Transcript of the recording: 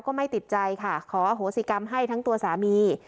ก็ไม่ติดใจค่ะขออโหสิกรรมให้ทั้งตัวสามี